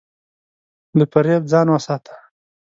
له فریب ځان وساته.